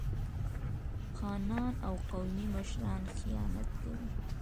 خانان او قومي مشران خیانت کوي.